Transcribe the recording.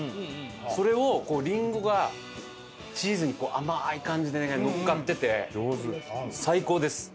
それをりんごがチーズに甘い感じでのっかってて最高です。